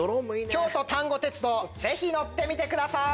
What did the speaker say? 京都丹後鉄道ぜひ乗ってみてください！